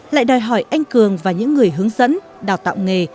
lại đòi hỏi anh cường và những người hướng dẫn đào tạo nghề